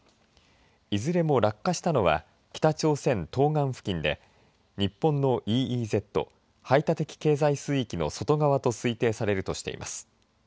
いずれも落下したのは北朝鮮東岸付近で日本のＥＥＺ排他的経済水域の外側と推定されるとしています。